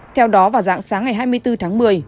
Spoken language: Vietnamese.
theo đó vào dạng sáng ngày hai mươi bốn tháng một mươi